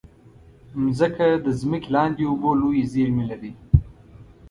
مځکه د ځمکې لاندې اوبو لویې زېرمې لري.